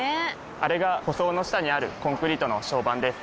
あれが舗装の下にあるコンクリートの床版です。